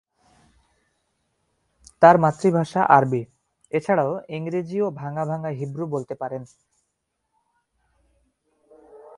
তার মাতৃভাষা আরবি, এছাড়াও ইংরেজি ও ভাঙা ভাঙা হিব্রু বলতে পারেন।